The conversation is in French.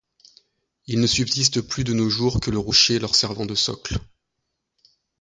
Il ne subsiste plus de nos jours que le rocher leurs servant de socle.